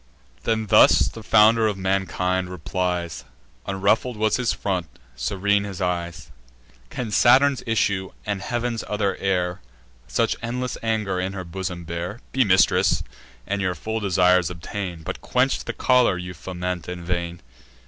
Then thus the founder of mankind replies (Unruffled was his front, serene his eyes) "Can Saturn's issue, and heav'n's other heir, Such endless anger in her bosom bear? Be mistress, and your full desires obtain; But quench the choler you foment in vain.